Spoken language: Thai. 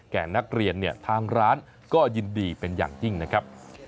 แก่นักเรียนเนี่ยทางร้านก็ยินดีเป็นอย่างยิ่งนะครับ